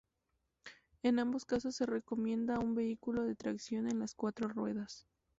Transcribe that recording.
En ambos casos se recomienda un vehículo de tracción en las cuatro ruedas.